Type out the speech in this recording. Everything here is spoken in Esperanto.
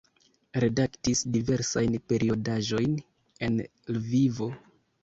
Redaktis diversajn periodaĵojn en Lvivo.